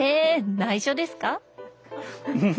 内緒ですか？